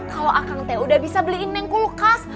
kalau akang te udah bisa beliin neng kulkas